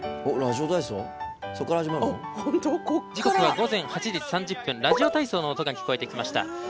時刻は午前８時３０分ラジオ体操の音が聞こえてきました。